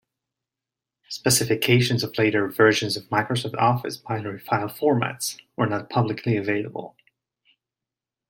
Specifications of later versions of Microsoft Office binary file formats were not publicly available.